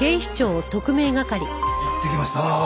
行ってきました。